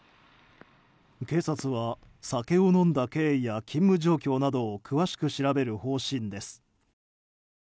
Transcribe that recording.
警察は酒を飲んだ経緯や勤務状況などを詳しく調べる方針です。